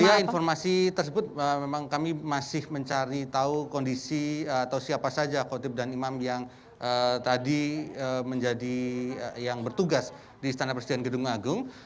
ya informasi tersebut memang kami masih mencari tahu kondisi atau siapa saja khotib dan imam yang tadi menjadi yang bertugas di istana presiden gedung agung